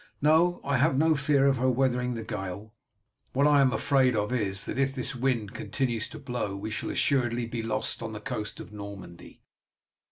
No, I have no fear of her weathering the gale. What I am afraid of is, that if this wind continues to blow we shall assuredly be lost on the coast of Normandy."